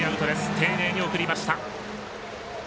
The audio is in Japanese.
丁寧に送りました。